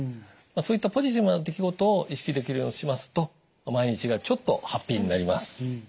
そういったポジティブな出来事を意識できるようにしますと毎日がちょっとハッピーになります。